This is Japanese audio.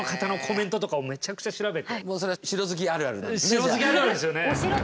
城好きあるあるですよね。